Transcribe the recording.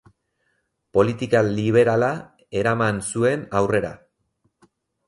Politika liberala eraman zuen aurrera.